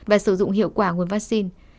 và sử dụng hiệu quả nguồn vaccine